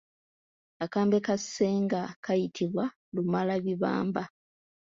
Akambe ka ssenga kayitibwa Lumalabibamba.